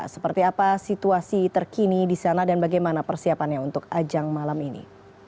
seperti apa situasi terkini di sana dan bagaimana persiapannya untuk ajang malam ini